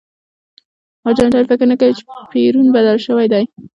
ارجنټاینان فکر نه کوي چې پېرون بدل شوی دی.